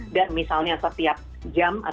dan misalnya setiap hari hanya akan jual sekian tiket